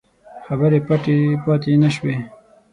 خبرې پټې پاته نه شوې.